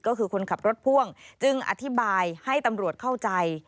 ก็คือคนขับรถพ่วงจึงอธิบายให้ตำรวจเข้าใจ